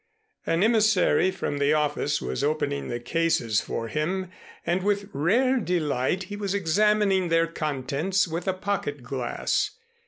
An emissary from the office was opening the cases for him and with rare delight he was examining their contents with a pocket glass.